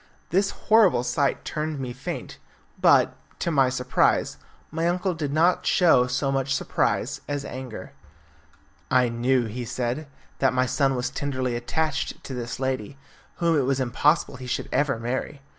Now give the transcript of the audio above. This horrible sight turned me faint, but, to my surprise, my uncle did not show so much surprise as anger. "I knew," he said, "that my son was tenderly attached to this lady, whom it was impossible he should ever marry.